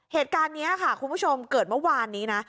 เหตุการณ์นี้ค่ะคุณผู้ชมเกิดเมื่อวานนี้นะ